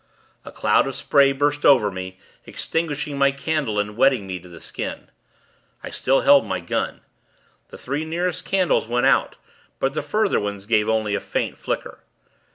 A cloud of spray burst over me, extinguishing my candle, and wetting me to the skin. I still held my gun. The three nearest candles went out; but the further ones gave only a short flicker.